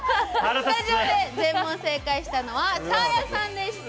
スタジオで全問正解したのはサーヤさんでした。